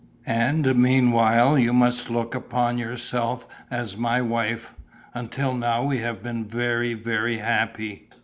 And meanwhile you must look upon yourself as my wife. Until now we have been very, very happy